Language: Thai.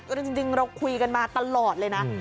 จริงเราคุยกันมาตลอดเลยนะ